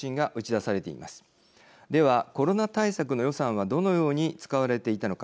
ではコロナ対策の予算はどのように使われていたのか。